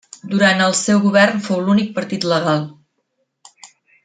Durant el seu govern fou l'únic partit legal.